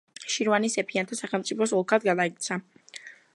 შირვანი სეფიანთა სახელმწიფოს ოლქად გადაიქცა.